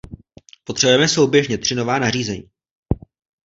Potřebujeme souběžně tři nová nařízení.